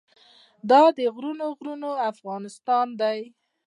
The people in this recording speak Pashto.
دا غرونه غرونه افغانستان دی.